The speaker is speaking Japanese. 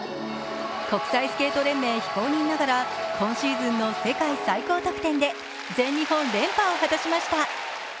国際スケート連盟非公認ながら今シーズンの世界最高得点で全日本連覇を果たしました。